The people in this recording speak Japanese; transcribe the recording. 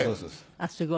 あっすごい。